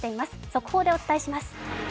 速報でお伝えします。